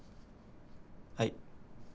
はい。